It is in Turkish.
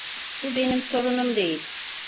Bu benim sorunum değil.